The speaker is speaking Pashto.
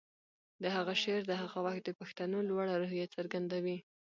د هغه شعر د هغه وخت د پښتنو لوړه روحیه څرګندوي